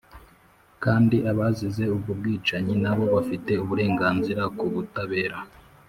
kandi abazize ubwo bwicanyi na bo bafite uburenganzira ku butabera